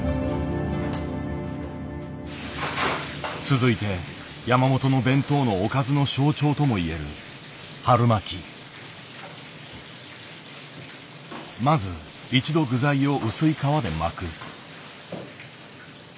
続いて山本の弁当のおかずの象徴とも言えるまず一度具材を薄い皮で巻く。